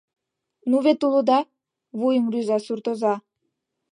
— Ну вет улыда... — вуйым рӱза суртоза.